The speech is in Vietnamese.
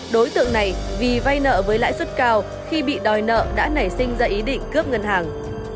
đối tượng này vì vay nợ với lãi suất cao khi bị đòi nợ đã nảy sinh ra ý định cướp ngân hàng